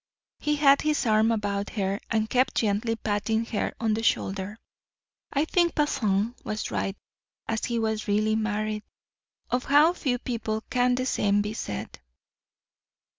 He had his arm about her, and kept gently patting her on the shoulder. I think Bazin was right, and he was really married. Of how few people can the same be said!